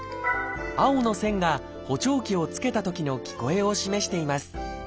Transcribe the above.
青の線が補聴器を着けたときの聞こえを示しています。